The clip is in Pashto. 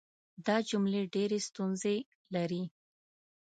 دا جملې ډېرې ستونزې لري.